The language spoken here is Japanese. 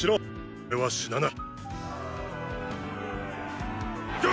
俺は死なない。